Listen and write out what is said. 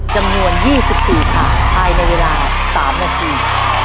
จำนวน๒๔ถาดภายในเวลา๓นาที